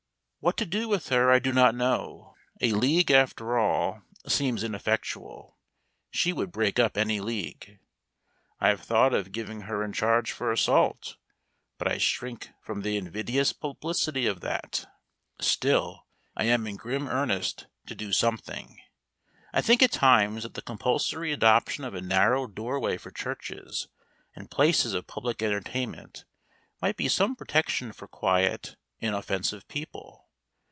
What to do with her I do not know. A League, after all, seems ineffectual; she would break up any League. I have thought of giving her in charge for assault, but I shrink from the invidious publicity of that. Still, I am in grim earnest to do something. I think at times that the compulsory adoption of a narrow doorway for churches and places of public entertainment might be some protection for quiet, inoffensive people.